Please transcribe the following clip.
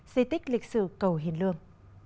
xây tích lịch sử cầu hiền lương